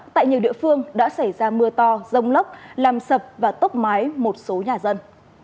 tại nhiều địa phương đã xảy ra mưa to rông lốc làm sập và tốc mái một số nhà dân